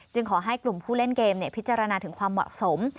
ขอให้กลุ่มผู้เล่นเกมพิจารณาถึงความเหมาะสม